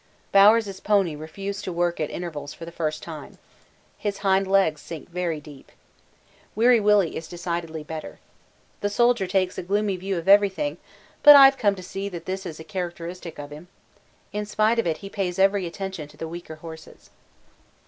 Bowers' pony refused work at intervals for the first time. His hind legs sink very deep. Weary Willy is decidedly better. The Soldier takes a gloomy view of everything, but I've come to see that this is a characteristic of him. In spite of it he pays every attention to the weaker horses.